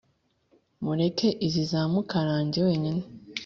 Mureke isi izamukarange wenyine